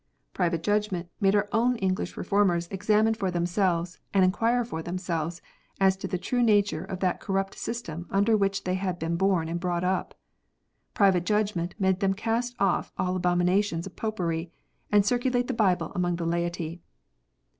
Private judgment made our own English Reformers examine PRIVATE JUDGMENT. 51 for themselves, and inquire for themselves, as to the true nature of that corrupt system under which they had been born and brought up. Private judgment made them cast off the abomina tions of Popery, and circulate the Bible among the laity.